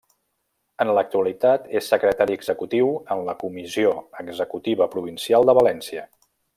En l'actualitat és Secretari Executiu en la Comissió Executiva Provincial de València.